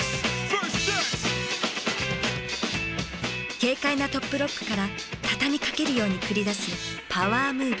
軽快なトップロックから畳みかけるように繰り出すパワームーブ。